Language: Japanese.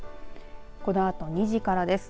このあと２時からです。